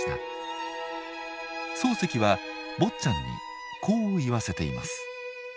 漱石は坊っちゃんにこう言わせています。